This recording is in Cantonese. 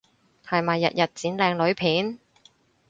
係咪日日剪靚女片？